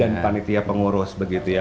dan panitia pengurus begitu ya